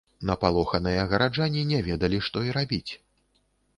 Напалоханыя гараджане не ведалі што і рабіць.